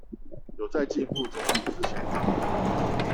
有在進步總比之前好